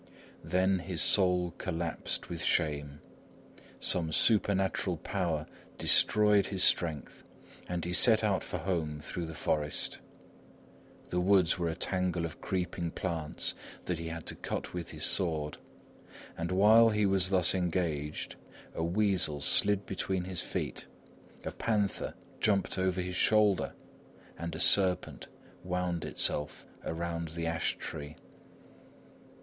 Then his soul collapsed with shame. Some supernatural power destroyed his strength, and he set out for home through the forest. The woods were a tangle of creeping plants that he had to cut with his sword, and while he was thus engaged, a weasel slid between his feet, a panther jumped over his shoulder, and a serpent wound itself around the ash tree.